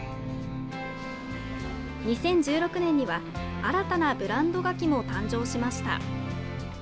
２０１６年には新たなブランドガキも誕生しました。